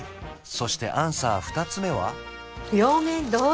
そしてアンサー２つ目は？